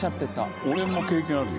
俺も経験あるよ。